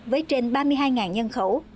với trên ba mươi hai nhân khẩu